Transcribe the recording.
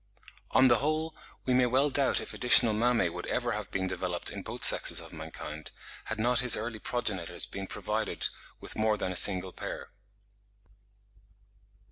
On the whole, we may well doubt if additional mammae would ever have been developed in both sexes of mankind, had not his early progenitors been provided with more than a single pair.